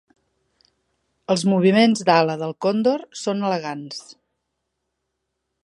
Els moviments d'ala del còndor són elegants.